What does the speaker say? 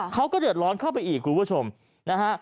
เขาก็เดือดร้อนเข้าไปอีกคุณผู้ชมนะฮะ